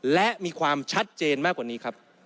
และมีความชัดเจนมากกว่านี้ครับ